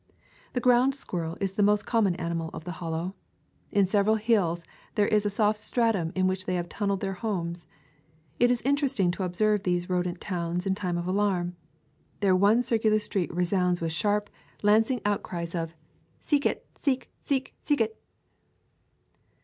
The ground squirrel is the most common ani mal of the Hollow. In several hills there is a soft stratum in which they have tunneled their homes. It is interesting to observe these rodent towns in time of alarm. Their one circular street resounds with sharp, lancing outcries of [ 202 ] Twenty Hill Hollow "Seekit, seek, seek, seekit!""